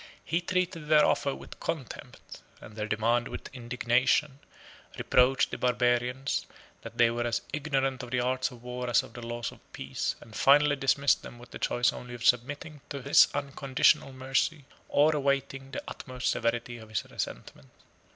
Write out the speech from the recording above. He treated their offer with contempt, and their demand with indignation, reproached the barbarians, that they were as ignorant of the arts of war as of the laws of peace, and finally dismissed them with the choice only of submitting to this unconditional mercy, or awaiting the utmost severity of his resentment.